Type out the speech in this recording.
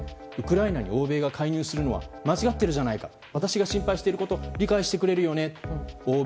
ウクライナに欧米が介入するのは間違ってるじゃないか私が心配してること理解してくれるよね。